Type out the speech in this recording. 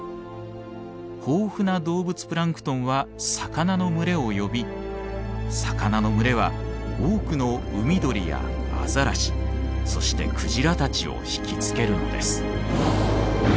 豊富な動物プランクトンは魚の群れを呼び魚の群れは多くの海鳥やアザラシそしてクジラたちを引き付けるのです。